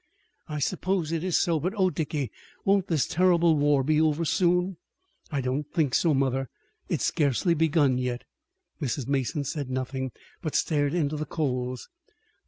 "I suppose it is so. But oh, Dicky, won't this terrible war be over soon?" "I don't think so, mother. It's scarcely begun yet." Mrs. Mason said nothing, but stared into the coals.